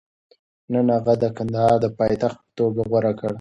نه، هغه کندهار د پایتخت په توګه غوره کړ.